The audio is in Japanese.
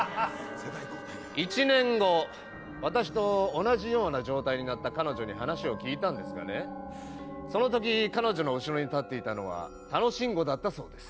１年後、私と同じような状態になった彼女に話を聞いたんですがね、そのとき、彼女の後ろに立っていたのは楽しんごだったそうです。